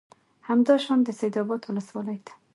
همدا شان د سید آباد ولسوالۍ ته